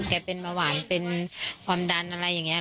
เป็นเบาหวานเป็นความดันอะไรอย่างนี้